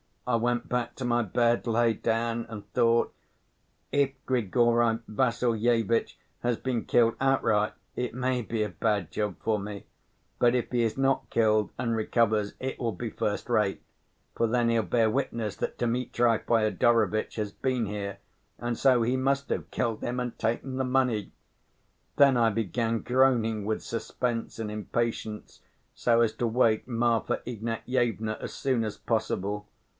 I went back to my bed, lay down and thought, 'If Grigory Vassilyevitch has been killed outright it may be a bad job for me, but if he is not killed and recovers, it will be first‐rate, for then he'll bear witness that Dmitri Fyodorovitch has been here, and so he must have killed him and taken the money.' Then I began groaning with suspense and impatience, so as to wake Marfa Ignatyevna as soon as possible.